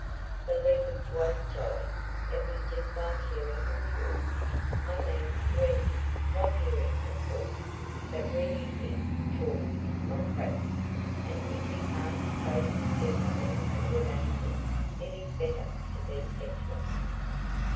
The letter was jolly–it was just like hearing him talk (I mean reading, not hearing, of course, but reading him talk is not grammar, and if you can't be both sensible and grammatical, it is better to be senseless).